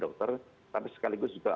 dokter tapi sekaligus juga